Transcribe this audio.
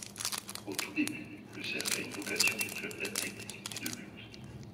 Au tout début, le cercle à une vocation de club d'Athlétisme et de Lutte.